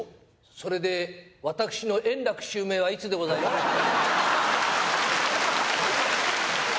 それで、私の円楽襲名はいつでしょうか。